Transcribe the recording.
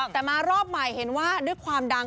แต่มารอบใหม่เห็นว่าด้วยความดัง